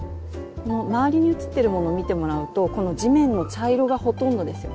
周りに写ってるものを見てもらうとこの地面の茶色がほとんどですよね。